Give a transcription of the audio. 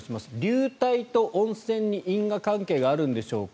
流体と温泉に因果関係があるんでしょうか？